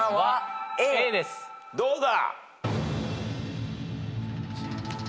どうだ？